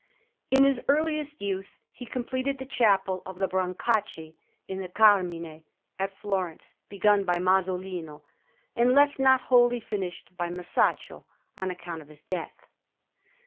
In his earliest youth he completed the Chapel of the Brancacci in the Carmine at Florence, begun by Masolino, and left not wholly finished by Masaccio on account of his death.